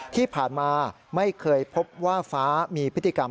ที่ผ่านมาไม่เคยพบว่าฟ้ามีพฤติกรรม